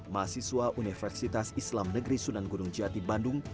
mahasiswa universitas islam negeri sunan gunung jati bandung